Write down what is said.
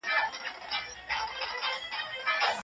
د منځنۍ لارې خلګ په دې منځ کي ورک دي.